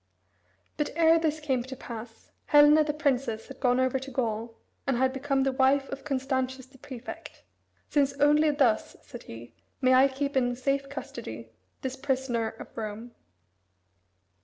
But ere this came to pass, Helena the princess had gone over to Gaul, and had become the wife of Constantius the prefect, "Since only thus," said he, "may I keep in safe custody this prisoner of Rome."